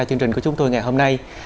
chương trình của chúng tôi ngày hôm nay